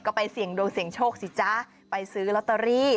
ก็ไปดูเสียงโชคสิจ๊ะไปซื้อล็อตโตรี